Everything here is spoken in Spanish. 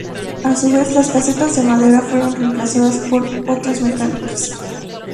A su vez, las casetas de madera fueron reemplazadas por otras metálicas.